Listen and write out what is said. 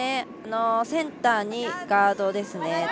センターにガードですね。